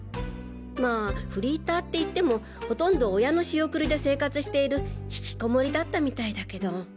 まあフリーターっていってもほとんど親の仕送りで生活している引きこもりだったみたいだけど。